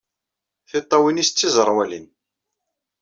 Tiṭṭawin-nnes d tiẓerwalin.